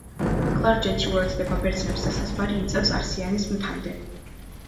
კლარჯეთი უერთდება ბერძნებს და საზღვარი იწევს არსიანის მთამდე.